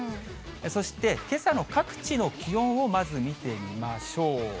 そして、けさの各地の気温をまず見てみましょう。